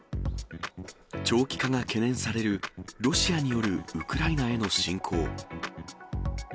長期化が懸念されるロシアによるウクライナへの侵攻。